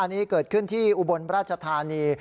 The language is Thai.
อันนี้เกิดขึ้นที่อุบลราชธานี